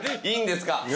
いいんですか？